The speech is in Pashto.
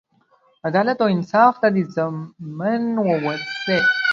عدالت او انصاف ته دې ژمن ووسي.